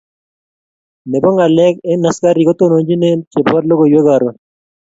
ne bo ngalek eng askariik kotonontochine che bo logoiwek karon.